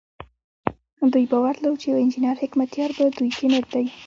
دوی باور درلود چې يو انجنير حکمتیار په دوی کې نر دی.